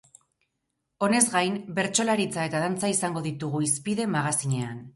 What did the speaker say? Honez gain, bertsolaritza eta dantza izango ditugu hizpide magazinean.